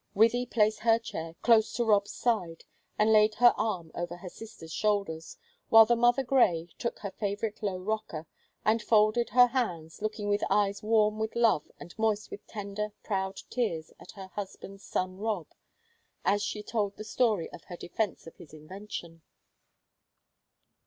Wythie placed her chair close to Rob's side, and laid her arm over her sister's shoulders, while the mother Grey took her favorite low rocker, and folded her hands, looking with eyes warm with love and moist with tender, proud tears at her husband's "son Rob," as she told the story of her defence of his invention.